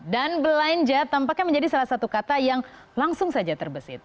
dan belanja tampaknya menjadi salah satu kata yang langsung saja terbesit